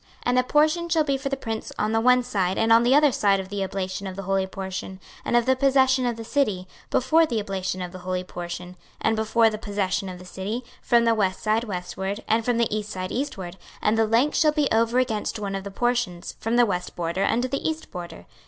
26:045:007 And a portion shall be for the prince on the one side and on the other side of the oblation of the holy portion, and of the possession of the city, before the oblation of the holy portion, and before the possession of the city, from the west side westward, and from the east side eastward: and the length shall be over against one of the portions, from the west border unto the east border.